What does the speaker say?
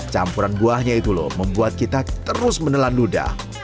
campuran buahnya itu loh membuat kita terus menelan ludah